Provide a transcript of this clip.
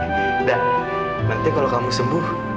nanti kalau kamu sembuh